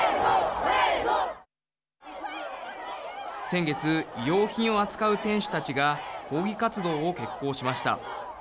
先月、衣料品を扱う店主たちが抗議活動を決行しました。